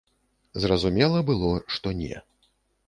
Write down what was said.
Зразумела было, што не.